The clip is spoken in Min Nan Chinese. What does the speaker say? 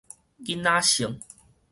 囡仔性